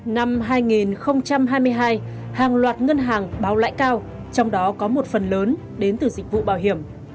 năm hai nghìn hai mươi hai hàng loạt ngân hàng báo lãi cao trong đó có một phần lớn đến từ dịch vụ bảo hiểm